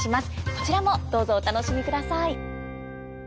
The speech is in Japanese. こちらもどうぞお楽しみください。